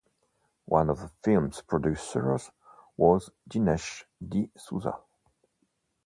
One of the film’s producers was Dinesh D’Souza.